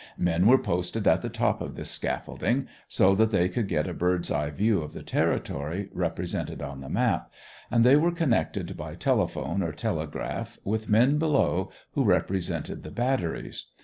Men were posted at the top of this scaffolding so that they could get a bird's eye view of the territory represented on the map, and they were connected by telephone or telegraph with men below who represented the batteries.